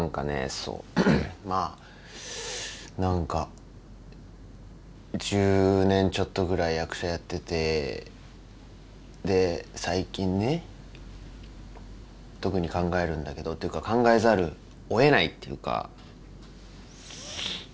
そうまあ何か１０年ちょっとぐらい役者やっててで最近ね特に考えるんだけどっていうか考えざるをえないっていうか。